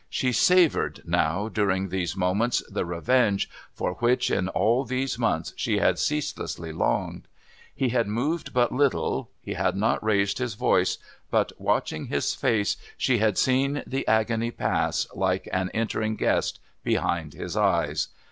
She savoured now during these moments the revenge for which, in all these months, she had ceaselessly longed. He had moved but little, he had not raised his voice, but, watching his face, she had seen the agony pass, like an entering guest, behind his eyes.